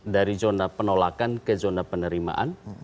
dari zona penolakan ke zona penerimaan